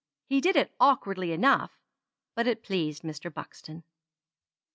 He did it awkwardly enough, but it pleased Mr. Buxton.